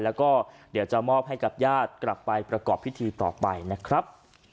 แล้วก็เดี๋ยวจะมอบให้กับญาติกลับไปประกอบพิธีต่อไปนะครับ